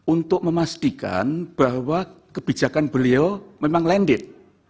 untuk memastikan bahwa kebijakan beliau memang landed